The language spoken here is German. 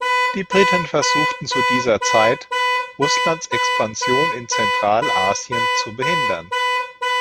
Die Briten versuchten zu dieser Zeit, Russlands Expansion in Zentralasien zu behindern.